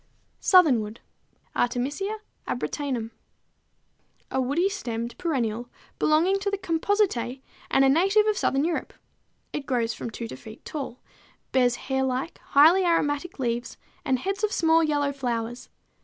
=Southernwood= (Artemisia Abrotanum, Linn.), a woody stemmed perennial belonging to the Compositæ and a native of southern Europe. It grows from 2 to 4 feet tall, bears hairlike, highly aromatic leaves and heads of small yellow flowers.